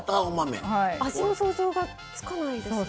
味の想像がつかないですね。